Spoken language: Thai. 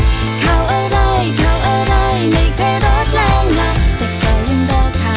เข้าอะไรเข้าอะไรไม่แค่รถร่างหลัก